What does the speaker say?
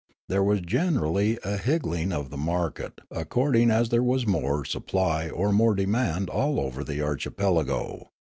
There was generally a higgling of the market according as there was more suppl)^ or more demand all over the archipelago.